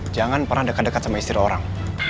jangan pernah dekat dekat sama istri orang